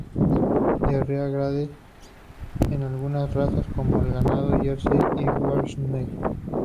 Diarrea grace en algunas razas, como el ganado Jersey y Guernsey.